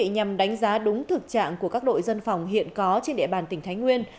nhằm đánh giá đúng thực trạng của các đội dân phòng hiện có trên địa bàn tỉnh thái nguyên